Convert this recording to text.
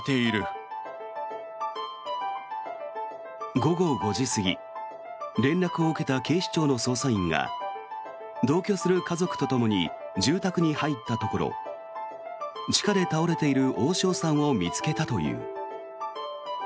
午後５時過ぎ連絡を受けた警視庁の捜査員が同居する家族とともに住宅に入ったところ地下で倒れている大塩さんを見つけたという。